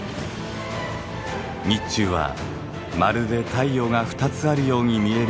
日中はまるで太陽が２つあるように見えるかもしれません。